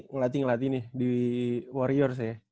ngelatih ngelatih nih di warriors ya